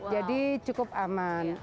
jadi cukup aman